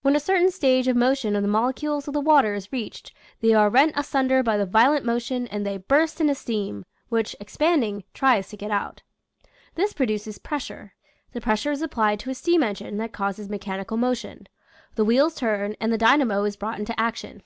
When a cer tain stage of motion of the molecules of the water is reached they are rent asunder by the violent motion and they burst into steam, which, expanding, tries to get out. This pro duces pressure. The pressure is applied to a steam engine that causes mechanical mo tion; the wheels turn and the dynamo is brought into action.